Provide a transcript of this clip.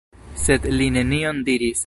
Sed li nenion diris.